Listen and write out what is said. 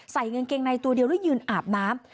ใส่กางเกงในตัวเดียวแล้วยืนอาบน้ำ